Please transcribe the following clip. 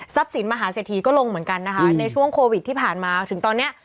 ซับสินมหาเสถียร์ก็ลงเหมือนกันในช่วงโควิดที่ผ่านมาถึงตอนนี้